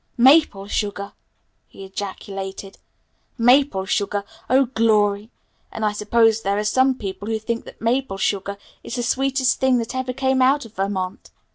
"Maple sugar?" he ejaculated. "Maple sugar? Oh, glory! And I suppose there are some people who think that maple sugar is the sweetest thing that ever came out of Vermont!"